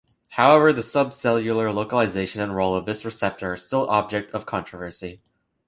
However the subcellular localization and role of this receptor are still object of controversy.